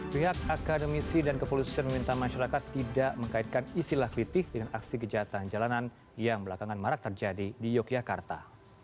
pihak akademisi dan kepolisian meminta masyarakat tidak mengkaitkan istilah kritik dengan aksi kejahatan jalanan yang belakangan marak terjadi di yogyakarta